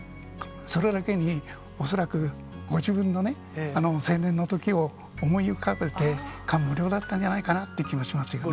それだけに、恐らくご自分の成年のときを思い浮かべて、感無量だったんじゃないかなって気がしますよね。